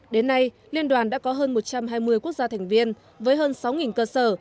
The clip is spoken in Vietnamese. đến nay liên đoàn đã có hơn một trăm hai mươi quốc gia thành viên với hơn sáu cơ sở